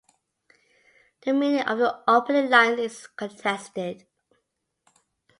The meaning of the opening lines is contested.